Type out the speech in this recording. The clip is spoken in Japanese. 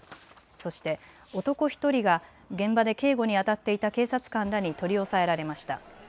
そして男１人が現場で警護にあたっていた警察官らに取り押さえられました。